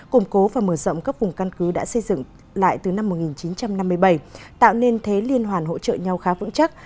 củng cố và mở rộng các vùng căn cứ đã xây dựng lại từ năm một nghìn chín trăm năm mươi bảy tạo nên thế liên hoàn hỗ trợ nhau khá vững chắc